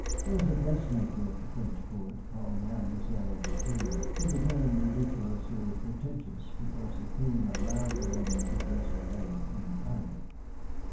There was a dress maker at the French court called Mademoiselle Bertin, who became ridiculously pretentious because the Queen allowed the woman to dress her hair in private.